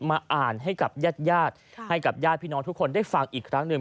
มาอ่านให้กับญาติญาติให้กับญาติพี่น้องทุกคนได้ฟังอีกครั้งหนึ่ง